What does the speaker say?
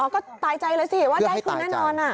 ก็ตายใจเลยสิว่าได้คืนแน่นอน